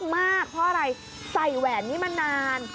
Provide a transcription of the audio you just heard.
มากเพราะอะไรใส่แหวนนี้มานาน